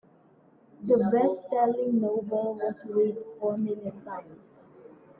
The bestselling novel was read four million times.